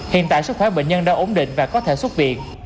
hiện tại sức khỏe bệnh nhân đã ổn định và có thể xuất viện